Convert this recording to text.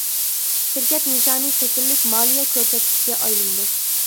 شىركەت نىشانى شەكىللىك مالىيە كۆرسەتكۈچىگە ئايلىنىدۇ.